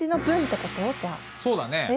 そうだね。